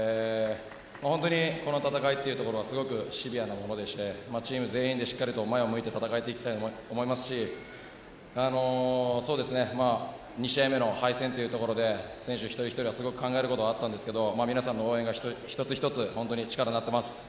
本当に、この戦いというところはシビアなものでしてチーム全員でしっかりと前を向いて戦っていきたいと思いますし２試合目の敗戦で選手一人ひとりがすごく考えることがあったんですが皆さんの応援が１つ１つ力になっています。